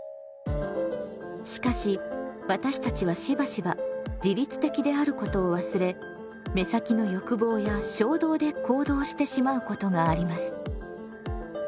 しかし私たちはしばしば自律的であることを忘れ目先の欲望や衝動で行動してしまうことがあります。